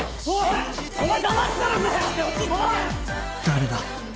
誰だ？